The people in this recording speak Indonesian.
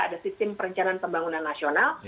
ada sistem perencanaan pembangunan nasional